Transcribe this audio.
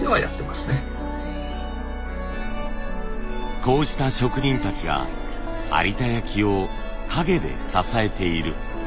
こうした職人たちが有田焼を陰で支えている。